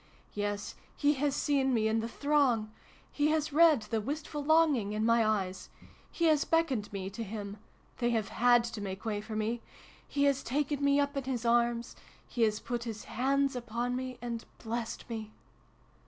Yes, He has seen me in the throng. He has read the wistful longing in my eyes. He has beckoned me to Him. They have had to make way for me. He has taken me up in His arms. He has put His hands upon me and blessed me!"